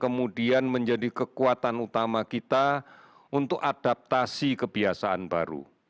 kemudian menjadi kekuatan utama kita untuk adaptasi kebiasaan baru